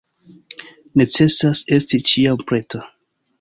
Necesas esti ĉiam preta.